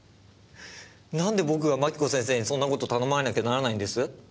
何で僕が槙子先生にそんなことを頼まれなきゃならないんです？